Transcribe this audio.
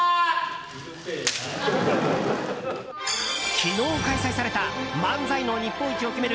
昨日開催された漫才の日本一を決める